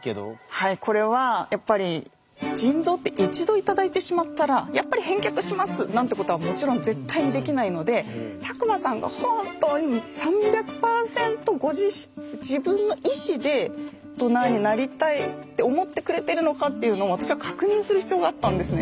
はいこれはやっぱり腎臓って一度頂いてしまったらやっぱり返却しますなんてことはもちろん絶対にできないので卓馬さんが本当に３００％って思ってくれてるのかっていうのを私は確認する必要があったんですね。